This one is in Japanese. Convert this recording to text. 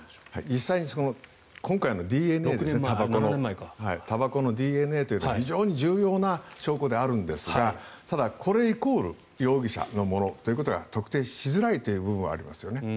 実際に今回のたばこのＤＮＡというのは非常に重要な証拠であるんですがただ、これイコール容疑者のものということが特定しづらいという部分はありますよね。